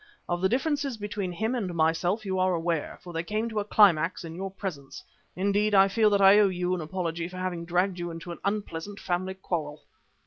Of the differences between him and myself you are aware, for they came to a climax in your presence. Indeed, I feel that I owe you an apology for having dragged you into an unpleasant family quarrel.